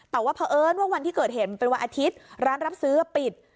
แต่ว่าเพราะเอิญว่าวันที่เกิดเหตุมันเป็นวันอาทิตย์ร้านรับซื้อปิด